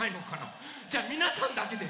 じゃみなさんだけで。